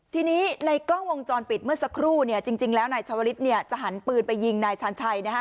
ทีนี้ในกล้องวงจรปิดเมื่อสักครู่เนี่ยจริงแล้วนายชาวลิศเนี่ยจะหันปืนไปยิงนายชาญชัยนะฮะ